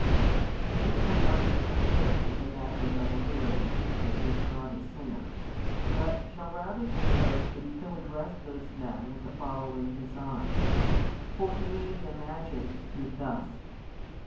We do not argue from this that the man was unaware that Jesus was not a sinner, but shall rather suppose that he so addressed those men with the following design. For he may be imagined to speak thus.